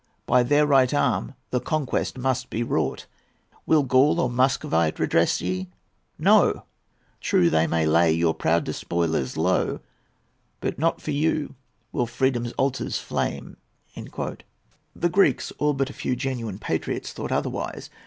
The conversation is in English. By their right arm the conquest must be wrought. Will Gaul or Muscovite redress ye?—No! True, they may lay your proud despoilers low, But not for you will Freedom's altars flame." The Greeks, all but a few genuine patriots, thought otherwise.